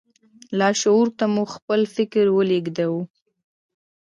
لاشعور ته مو خپل فکر ولېږدوئ.